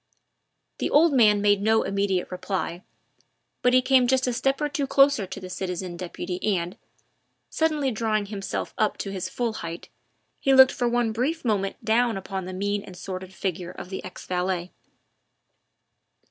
The old man made no immediate reply, but he came just a step or two closer to the citizen deputy and, suddenly drawing himself up to his full height, he looked for one brief moment down upon the mean and sordid figure of the ex valet.